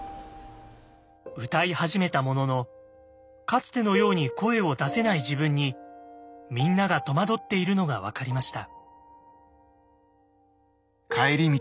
歌い始めたもののかつてのように声を出せない自分にみんなが戸惑っているのが分かりました。